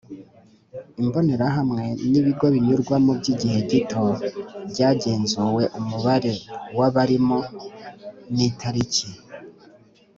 Imbonerahamwe no ibigo binyurwamo by igihe gito byagenzuwe umubare w abarimo n itariki